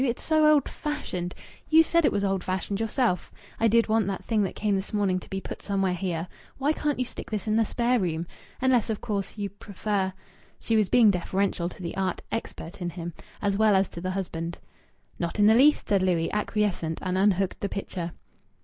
It's so old fashioned. You said it was old fashioned yourself. I did want that thing that came this morning to be put somewhere here. Why can't you stick this in the spare room?... Unless, of course, you prefer...." She was being deferential to the art expert in him, as well as to the husband. "Not in the least!" said Louis, acquiescent, and unhooked the picture.